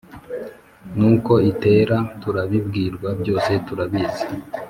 n’uko itera turabibwirwa byose turabizi